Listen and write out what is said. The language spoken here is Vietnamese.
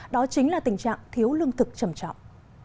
đó chính là tình trạng thiếu lương thực trầm trọng